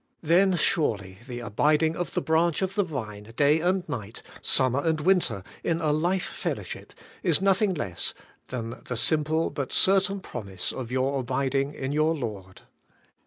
Then surely the abiding of the branch of the vine day and night, summer and winter, in a never ceasing life fellowship, is nothing less than the simple but certain promise of your abiding in your Lord.